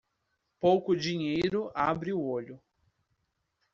Pouco dinheiro abre o olho.